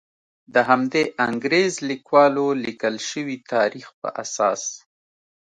د همدې انګریز لیکوالو لیکل شوي تاریخ په اساس.